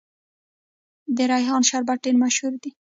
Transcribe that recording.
د ریحان شربت ډیر مشهور دی.